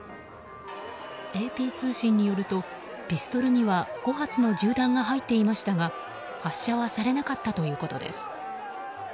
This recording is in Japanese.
ＡＰ通信によるとピストルには５発の銃弾が入っていましたが発射はされなかったということです。